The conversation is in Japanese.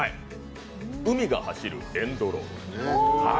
「海が走るエンドロール」。